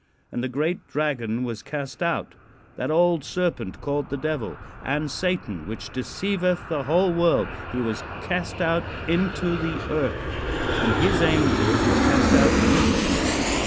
"And the great dragon was cast out, that old serpent, called the Devil, and Satan, which deceiveth the whole world: he was cast out into the earth, and his angels were cast out with him.